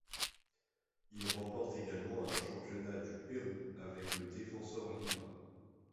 Il remporte également un championnat du Pérou avec le Defensor Lima.